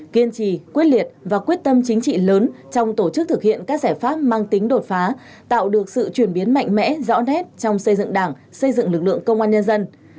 kiên trì quyết liệt và quyết tâm chính trị lớn trong tổ chức thực hiện các giải pháp mang tính đột phá tạo được sự chuyển biến mạnh mẽ rõ nét trong xây dựng đảng xây dựng lực lượng công an nhân dân